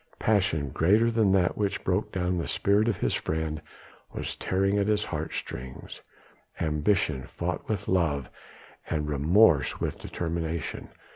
Passion greater than that which broke down the spirit of his friend, was tearing at his heart strings; ambition fought with love, and remorse with determination.